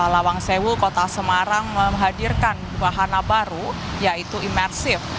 lawang sewu kota semarang menghadirkan wahana baru yaitu imersif